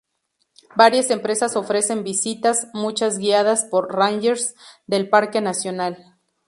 Varias empresas ofrecen visitas, muchas guiadas por rangers del parque nacional.